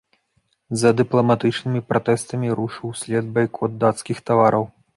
За дыпламатычнымі пратэстамі рушыў услед байкот дацкіх тавараў.